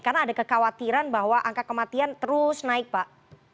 karena ada kekhawatiran bahwa angka kematian terus naik pak